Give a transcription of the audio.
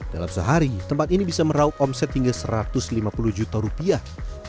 dalam sehari tempat ini bisa meraup omset hingga satu ratus lima puluh juta rupiah